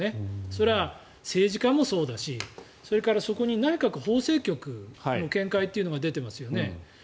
それは政治家もそうだしそれからそこに内閣法制局の見解というのが出ていますよね。